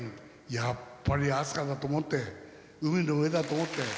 やっぱり飛鳥だと思って、海の上だと思って。